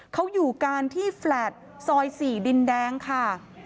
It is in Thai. เขาอยู่กันที่แฟลต์ซอย๔ดินแดงค่ะ